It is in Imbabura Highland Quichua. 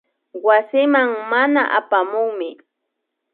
Wasiman mana apamukmi